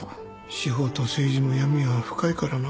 司法と政治の闇は深いからな。